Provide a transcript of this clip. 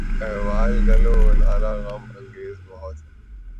احوال گل و لالہ غم انگیز بہت ہے